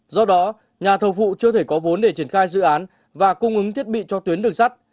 do đó nhà thầu vụ chưa thể có vốn để triển khai dự án và cung ứng thiết bị cho tuyến đường sắt